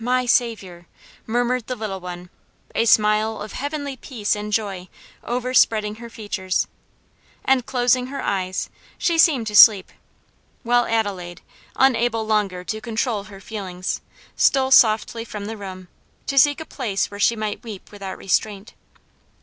my Saviour," murmured the little one, a smile of heavenly peace and joy overspreading her features; and, closing: her eyes, she seemed to sleep, while Adelaide, unable longer to control her feelings, stole softly from the room, to seek a place where she might weep without restraint.